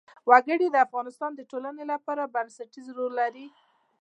وګړي د افغانستان د ټولنې لپاره بنسټيز رول لري.